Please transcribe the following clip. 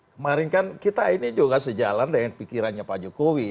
kemarin kan kita ini juga sejalan dengan pikirannya pak jokowi